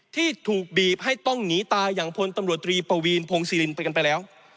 ที่ถูกบีบให้ต้องหนีตายอย่างพลตำรวจตรีปวีนพงศิรินไปกันไปแล้ว